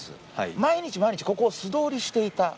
毎日、毎日ここを素通りしていた。